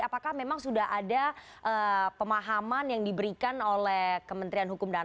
apakah memang sudah ada pemahaman yang diberikan oleh kementerian hukum dan ham